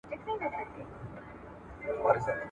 چي په نسیم کي غوړېدلي شګوفې وي وني ..